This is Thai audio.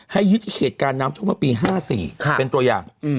ให้ยึดเหตุการณ์น้ำทุกปี๕๔เป็นตัวอย่าง